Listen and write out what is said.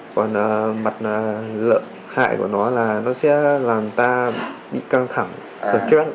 còn mặt lợi hại của nó là nó sẽ làm ta bị căng thẳng sợ chết